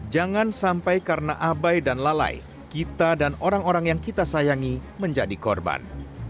jangan sampai karena abai dan lalai kita dan orang orang yang kita sayangi menjadi korban